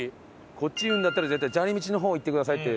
こっち行くんだったら絶対砂利道の方を行ってくださいって。